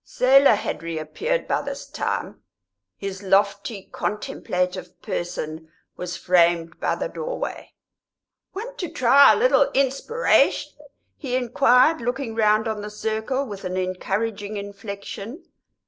Selah had reappeared by this time; his lofty, contemplative person was framed by the doorway. "Want to try a little inspiration?" he inquired, looking round on the circle with an encouraging inflexion.